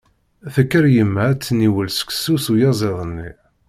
Tekker yemma ad d-tniwel seksu s uyaziḍ-nni.